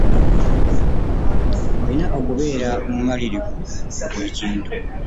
Olina okubeera omumalirivu mu buli kintu.